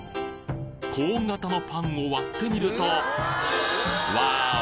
コーン形のパンを割ってみるとワーオ！